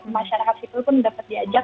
masyarakat sipil pun dapat diajak